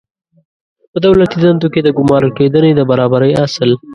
په دولتي دندو کې د ګمارل کېدنې د برابرۍ اصل